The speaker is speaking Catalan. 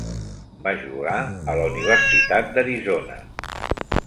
Va jugar a la universitat d'Arizona.